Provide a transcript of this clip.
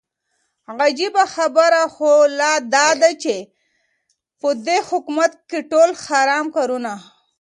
عجيبه خبره خو لا داده چې په دې حكومت كې ټول حرام كارونه